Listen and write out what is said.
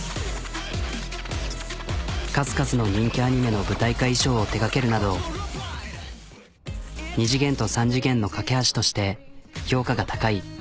数々の人気アニメの舞台化衣装を手がけるなど２次元と３次元の懸け橋として評価が高い。